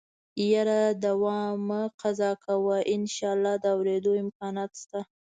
يره دوا مه قضا کوه انشاالله د اورېدو امکانات شته.